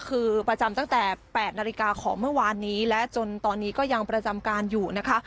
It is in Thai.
คือประจำตั้งแต่๘นาฬิกาของเมื่อวานนี้และจนตอนนี้ก็ยังประจำการอยู่นะคะ